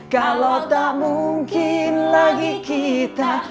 kalau tak mungkin lagi kita